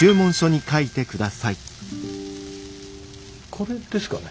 これですかね？